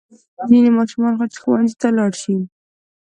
ځینې ماشومان خو چې ښوونځي ته لاړ شي.